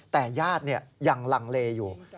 แต่ญาติยังลังเลอยู่